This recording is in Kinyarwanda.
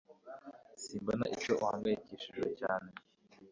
Simbona icyo uhangayikishijwe cyane